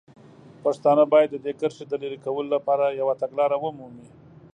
پښتانه باید د دې کرښې د لرې کولو لپاره یوه تګلاره ومومي.